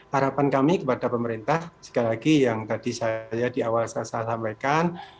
harapan kami kepada pemerintah sekali lagi yang tadi saya di awal saya sampaikan